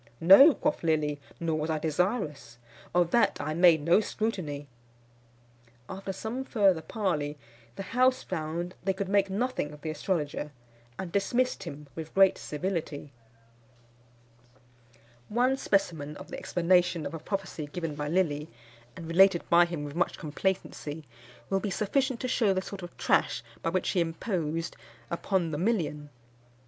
"No," quoth Lilly, "nor was I desirous. Of that I made no scrutiny." After some further parley, the house found they could make nothing of the astrologer, and dismissed him with great civility. One specimen of the explanation of a prophecy given by Lilly, and related by him with much complacency, will be sufficient to shew the sort of trash by which he imposed upon the million.